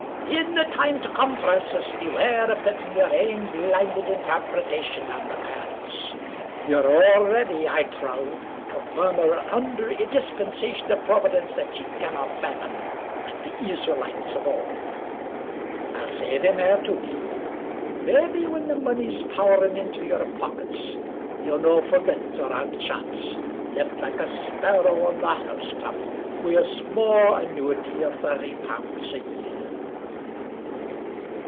" In the time to come, Francis, beware o' pettin' yer ain blinded intairpretation on the cairds. Ye 're ower ready, I trow, to murmur un der dispensation of Proavidence that ye canna fathom — like the Eesraelites of auld. I'll say nae mair to ye. Mebbe when the mony's powering into yer poakets, ye'U no for get yer aunt Chance, left like a sparrow on the housetop, wi' a sma' annuitee o' thratty punds a year."